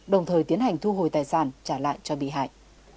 đồng thời tiến hành thu hồi tài sản trả lại cho bị hại